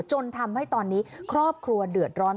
จนทำให้ตอนนี้ครอบครัวเดือดร้อน